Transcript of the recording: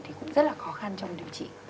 thì cũng rất là khó khăn trong điều trị